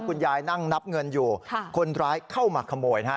คุณยายนั่งนับเงินอยู่ค่ะคนร้ายเข้ามาขโมยนะฮะ